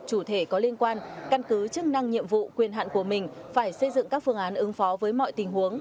chủ thể có liên quan căn cứ chức năng nhiệm vụ quyền hạn của mình phải xây dựng các phương án ứng phó với mọi tình huống